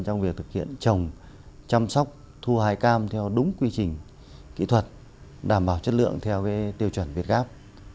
trong việc thực hiện trồng chăm sóc thu hài cam theo đúng quy trình kỹ thuật đảm bảo chất lượng theo tiêu chuẩn việt gáp